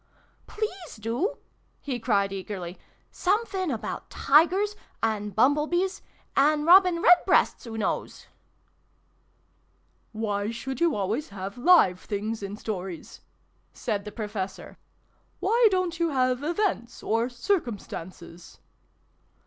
" Please do !" he cried eagerly. " Sumfin about tigers and bumble bees and robin redbreasts, oo knows !"" Why should you always have live things in stories ?" said the Professor. "Why don't you have events, or circumstances